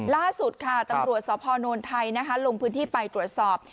ล่าสุดค่ะตำรวจสพนไทยลงพื้นที่ไปตรวจสอบ